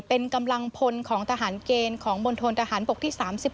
เป็นกำลังพลของทหารเกณฑ์ของมณฑนทหารบกที่๓๑